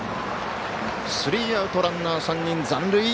スリーアウト、ランナー残塁。